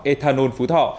ethanol phú thọ